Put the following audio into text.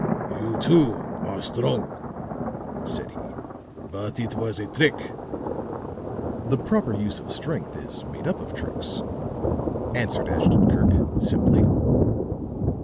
"You, too, are strong," said he. "But it was a trick." "The proper use of strength is made up of tricks," answered Ashton Kirk, simply.